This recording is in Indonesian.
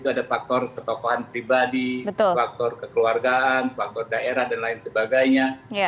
ada faktor ketokohan pribadi faktor kekeluargaan faktor daerah dan lain sebagainya